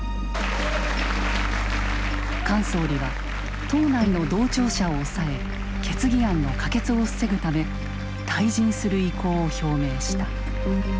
菅総理は党内の同調者を抑え決議案の可決を防ぐため退陣する意向を表明した。